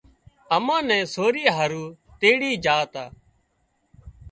امان نين سوري هارو تيڙي جھا تا